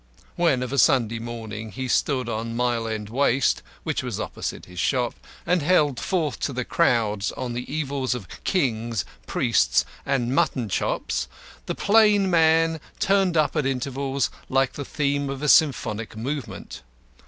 When of a Sunday morning he stood on Mile end Waste, which was opposite his shop and held forth to the crowd on the evils of kings, priests, and mutton chops, the "plain man" turned up at intervals like the "theme" of a symphonic movement.